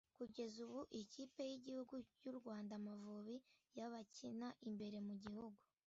Kugeza ubu ikipe y’igihugu y’u Rwanda Amavubi y’abakina imbere mu gihugu